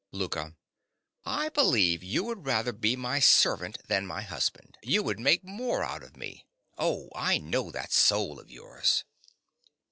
LOUKA. I believe you would rather be my servant than my husband. You would make more out of me. Oh, I know that soul of yours.